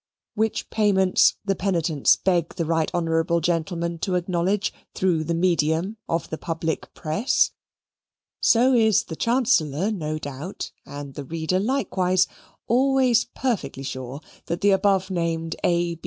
which payments the penitents beg the Right Honourable gentleman to acknowledge through the medium of the public press so is the Chancellor no doubt, and the reader likewise, always perfectly sure that the above named A.